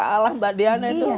kalah mbak diana itu